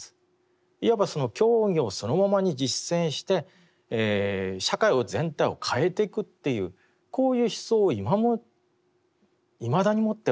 いわば教義をそのままに実践して社会全体を変えていくっていうこういう思想をいまだに持っているんですね。